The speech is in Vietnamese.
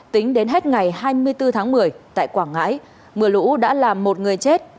tính đến hết ngày hai mươi bốn tháng một mươi tại quảng ngãi mưa lũ đã làm một người chết